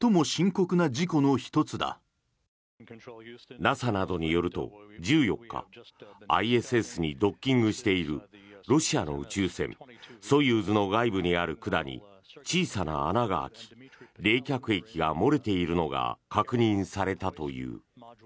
ＮＡＳＡなどによると１４日ＩＳＳにドッキングしているロシアの宇宙船ソユーズの外部にある管に小さな穴が開き冷却液が漏れているのが確認されたという。